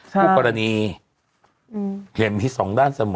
ใช่ครูกรณีอืมเห็นมีที่สองด้านเสมอ